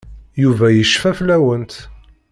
Yuba yecfa fell-awent.